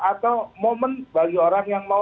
atau momen bagi orang yang mau